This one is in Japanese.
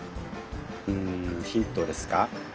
うんヒントですか。